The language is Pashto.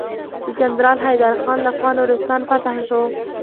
د جنرال حيدر خان لخوا نورستان فتحه شو.